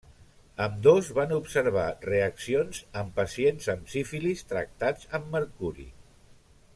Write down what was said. Ambdós van observar reaccions en pacients amb sífilis tractats amb mercuri.